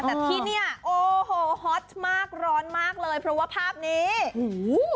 แต่ที่เนี้ยโอ้โหฮอตมากร้อนมากเลยเพราะว่าภาพนี้โอ้โห